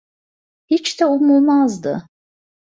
Hiç de umulmazdı.